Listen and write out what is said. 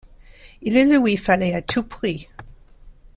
Il le lui fallait à tout prix!